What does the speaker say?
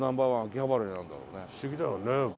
不思議だよね。